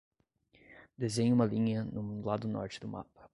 Desenhe uma linha no lado norte do mapa.